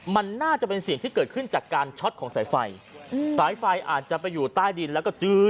มันน่าจะเป็นเสียงที่เกิดขึ้นจากการช็อตของสายไฟอืมสายไฟอาจจะไปอยู่ใต้ดินแล้วก็จื้อ